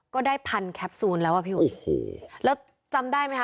ได้พันแคปซูลแล้วอ่ะพี่อุ๋ยโอ้โหแล้วจำได้ไหมคะ